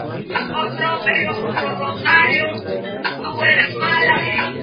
El show ha recibido generalmente críticas mixtas de los críticos.